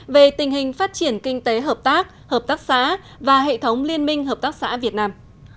về tình hình phát triển kinh tế hợp tác hợp tác xã và hệ thống liên minh hợp tác xã việt nam